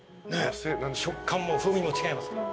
食感も風味も違いますから。